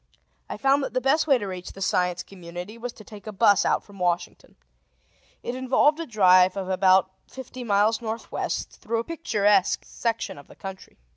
I found that the best way to reach the Science Community was to take a bus out from Washington. It involved a drive of about fifty miles northwest, through a picturesque section of the country.